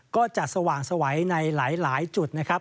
ก็จะสว่างสวัยในหลายจุดนะครับ